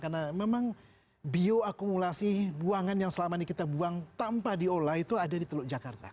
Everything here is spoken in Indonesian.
karena memang bio akumulasi buangan yang selama ini kita buang tanpa diolah itu ada di teluk jakarta